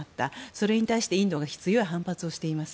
それに対してインドは強い反発をしています。